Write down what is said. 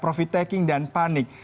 profit taking dan panik